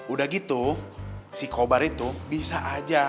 udah gitu si kobar itu bisa aja